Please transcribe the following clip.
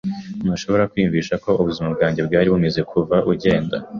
Ntushobora kwiyumvisha uko ubuzima bwanjye bwari bumeze kuva ugenda.